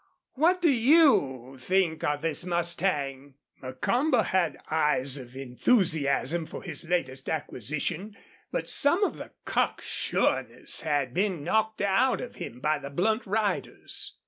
What do you think of this mustang?" Macomber had eyes of enthusiasm for his latest acquisition, but some of the cock sureness had been knocked out of him by the blunt riders.